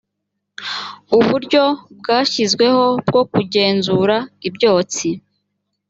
uburyo bwashyizweho bwo kugenzura ibyotsi